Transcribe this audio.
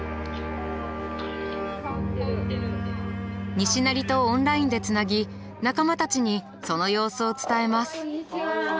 西成とオンラインでつなぎ仲間たちにその様子を伝えます。